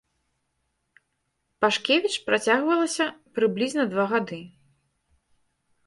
Пашкевіч працягвалася прыблізна два гады.